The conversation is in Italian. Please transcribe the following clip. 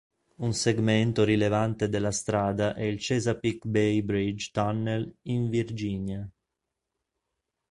Un segmento rilevante della strada è il Chesapeake Bay Bridge-Tunnel in Virginia.